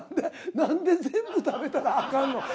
何で全部食べたらあかんの？